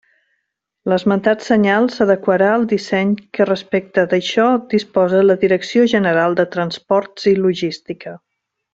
L'esmentat senyal s'adequarà al disseny que respecte d'això dispose la Direcció General de Transports i Logística.